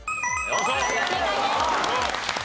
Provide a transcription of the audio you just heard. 正解です。